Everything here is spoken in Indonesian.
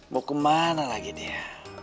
mau kemana lagi dia